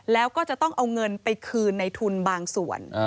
แล้วก็จะต้องเอาเงินไปคืนในทุนบางส่วน